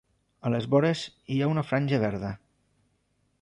A les vores hi ha una franja verda.